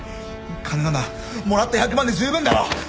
金ならもらった１００万で十分だろ！？